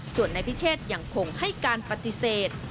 ส่วนนายพิเชษยังคงให้การปฏิเสธ